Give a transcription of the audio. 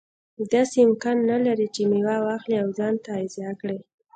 داسې امکان نه لري چې میوه واخلي او ځان تغذیه کړي.